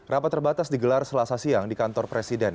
rapat terbatas digelar selasa siang di kantor presiden